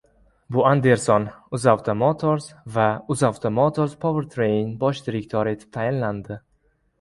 Bu Andersson “Uzauto Motors” va “Uzauto Motors Powertrain” bosh direktori etib tayinlandi